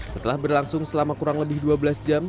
setelah berlangsung selama kurang lebih dua belas jam